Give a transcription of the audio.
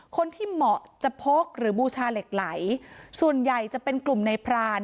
เหมาะจะพกหรือบูชาเหล็กไหลส่วนใหญ่จะเป็นกลุ่มในพราน